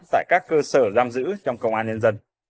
tại các cơ sở giam giữ trong công an nhân dân